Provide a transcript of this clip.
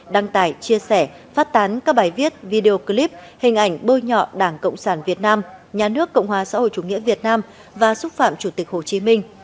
đăng tải chia sẻ phát tán các bài viết video clip hình ảnh bôi nhọ đảng cộng sản việt nam nhà nước cộng hòa xã hội chủ nghĩa việt nam và xúc phạm chủ tịch hồ chí minh